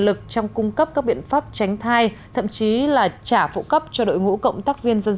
lực trong cung cấp các biện pháp tránh thai thậm chí là trả phụ cấp cho đội ngũ cộng tác viên dân